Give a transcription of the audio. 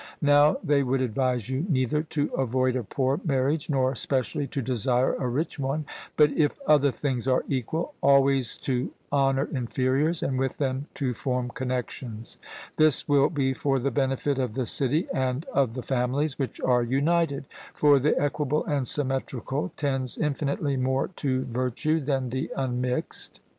Now they would advise you neither to avoid a poor marriage, nor specially to desire a rich one; but if other things are equal, always to honour inferiors, and with them to form connexions; this will be for the benefit of the city and of the families which are united; for the equable and symmetrical tends infinitely more to virtue than the unmixed.